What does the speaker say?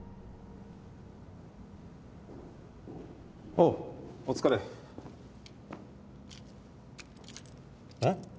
おうお疲れえっ？